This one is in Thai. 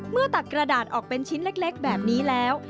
ตักกระดาษออกเป็นชิ้นเล็กแบบนี้แล้ว